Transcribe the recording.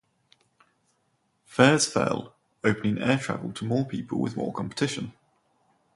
Fares fell, opening air travel to more people with more competition.